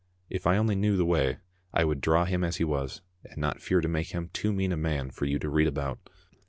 If I only knew the way, I would draw him as he was, and not fear to make him too mean a man for you to read about.